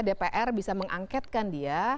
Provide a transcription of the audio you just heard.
dpr bisa mengangketkan dia